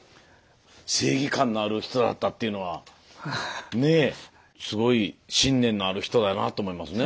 正義感のある人だったっていうのはねえすごい信念のある人やなぁと思いますね。